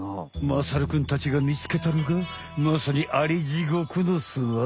まさるくんたちがみつけたのがまさにアリジゴクの巣穴。